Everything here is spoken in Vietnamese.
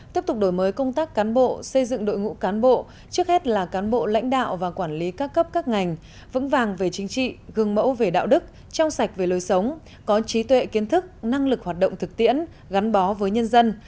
tiếp tục đổi mới công tác cán bộ xây dựng đội ngũ cán bộ trước hết là cán bộ lãnh đạo và quản lý các cấp các ngành vững vàng về chính trị gương mẫu về đạo đức trong sạch về lối sống có trí tuệ kiến thức năng lực hoạt động thực tiễn gắn bó với nhân dân